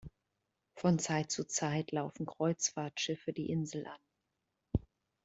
Von Zeit zu Zeit laufen Kreuzfahrtschiffe die Insel an.